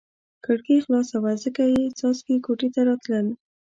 کړکۍ خلاصه وه ځکه یې څاڅکي کوټې ته راتلل.